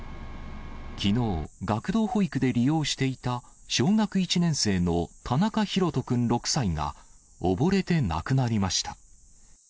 きのう、学童保育で利用していた小学１年生の田中大翔君６歳が、溺れて亡くなりました。